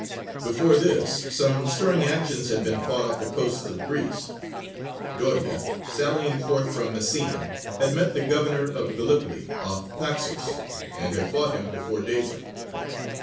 Before this, some stirring actions had been fought off the coasts of Greece. Doria, sallying forth from Messina, had met the governor of Gallipoli off Paxos, and had fought him before daybreak.